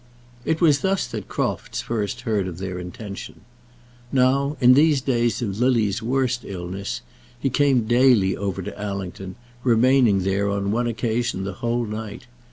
It was thus that Crofts first heard of their intention. Now, in these days of Lily's worst illness, he came daily over to Allington, remaining there, on one occasion, the whole night.